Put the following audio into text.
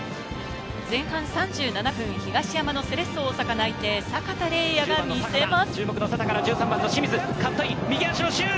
前半３７分、東山のセレッソ大阪内定、阪田澪哉が見せます。